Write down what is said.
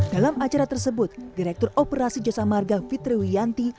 dalam acara tersebut direktur operasi jasa marga fitri wiyanti